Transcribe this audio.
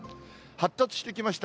発達してきました。